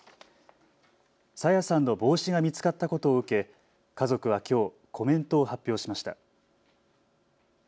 朝芽さんの帽子が見つかったことを受け、家族はきょうコメントを発表しました。